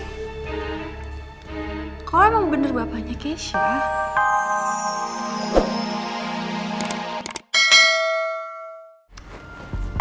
kalo emang bener bapaknya keisha